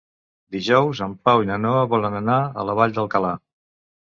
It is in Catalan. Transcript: Dijous en Pau i na Noa volen anar a la Vall d'Alcalà.